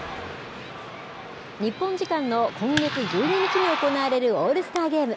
日本時間の今月１２日に行われるオールスターゲーム。